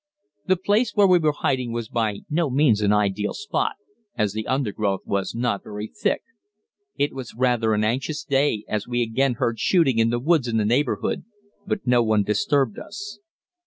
The place where we were hiding was by no means an ideal spot, as the undergrowth was not very thick. It was rather an anxious day, as we again heard shooting in the woods in the neighborhood, but no one disturbed us.